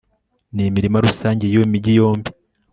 n'imirima rusange y'iyo migi yombi